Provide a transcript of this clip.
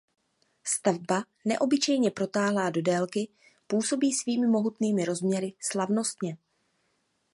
Stavba neobyčejně protáhlá do délky působí svými mohutnými rozměry slavnostně.